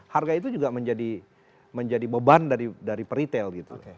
harga itu juga menjadi beban dari peritel gitu